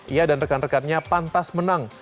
ia dan rekan rekannya pantas menang